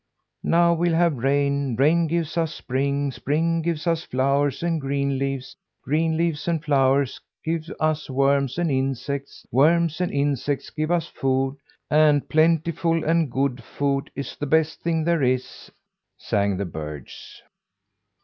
"Now we'll have rain. Rain gives us spring; spring gives us flowers and green leaves; green leaves and flowers give us worms and insects; worms and insects give us food; and plentiful and good food is the best thing there is," sang the birds.